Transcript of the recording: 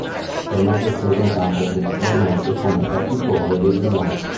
Inizialmente scese in campo principalmente come battitore designato.